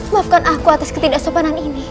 maafkan aku atas ketidaksopanan ini